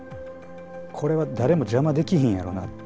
これは誰も邪魔できひんやろな。